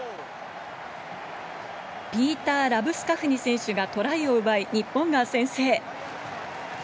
ピーター・ラブスカフニ選手がトライを奪い、日本が先制。